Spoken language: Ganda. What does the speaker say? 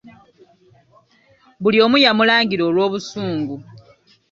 Buli omu yamulangira olw'obusungu.